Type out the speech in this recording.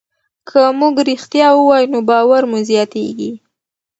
که موږ ریښتیا ووایو نو باور مو زیاتېږي.